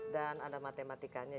dan ada matematikanya